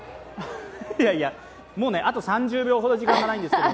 いやいや、もうね、あと３０秒ほど時間がないんですけど。